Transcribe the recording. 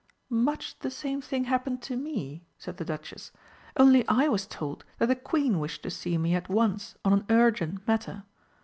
"Much the same thing happened to me," said the Duchess. "Only I was told that the Queen wished to see me at once on an urgent matter.